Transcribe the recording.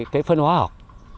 cái phân hoa học